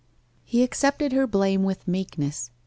He accepted, her blame with meekness.